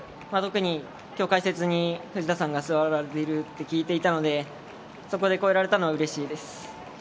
今日解説に藤田さんが座られると聞いていたのでそこで超えられたのはうれしいです。